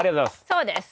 そうです。